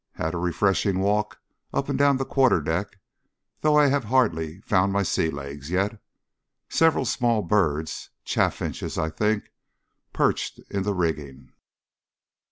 Had a refreshing walk up and down the quarter deck, though I have hardly found my sea legs yet. Several small birds chaffinches, I think perched in the rigging.